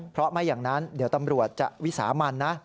เพราะไม่อย่างนั้นเดี๋ยวตำรวจจะวิสามันนะ